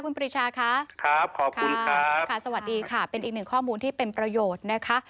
คุณปริชาค่ะครับขอบคุณครับค่ะสวัสดีค่ะเป็นอีกหนึ่งข้อมูลที่เป็นประโยชน์นะคะ